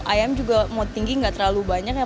ayam juga mau tinggi nggak terlalu banyak ya